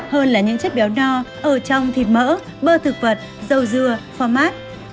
hơn là những chất béo no ở trong thịt mỡ bơ thực vật dầu dừa phô mát